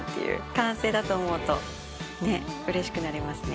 完成だと思うとうれしくなりますね。